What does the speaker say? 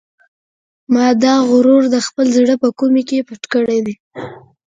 ما دا غرور د خپل زړه په کومې کې پټ کړی دی.